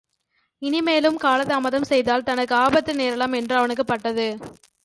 இனிமேலும் காலதாமதம் செய்தால் தனக்கு ஆபத்து நேரலாம் என்று அவனுக்குப் பட்டது.